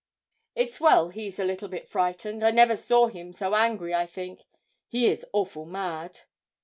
'It's well he's a little bit frightened I never saw him so angry, I think; he is awful mad.'